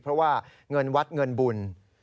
เพราะว่าเงินวัดเงินบุญ